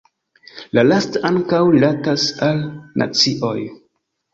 La lasta ankaŭ rilatas al nacioj.